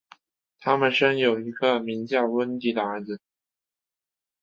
他们生有一个名叫温蒂的儿子。